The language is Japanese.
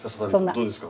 どうですか？